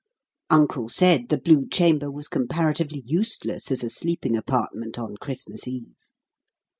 Uncle said the Blue Chamber was comparatively useless as a sleeping apartment on Christmas Eve.